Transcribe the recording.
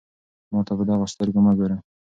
ما ته په دغو سترګو مه ګوره.